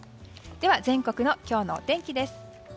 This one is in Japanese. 全国の今日のお天気です。